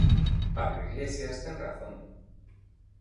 Pablo Iglesias ten razón.